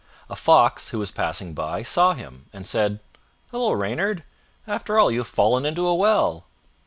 A Wolf, who was passing by, saw him, and said, "Hello, Reynard, after all you have fallen into a well!"